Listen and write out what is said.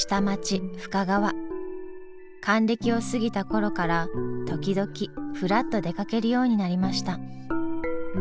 還暦を過ぎた頃から時々ふらっと出かけるようになりました。